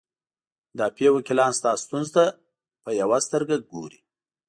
مدافع وکیلان ستاسو ستونزو ته په یوې سترګې ګوري.